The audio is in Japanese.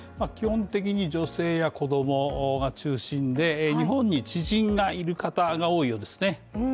基本的に女性や子供が中心で、日本に知人がいる方が多いようですね。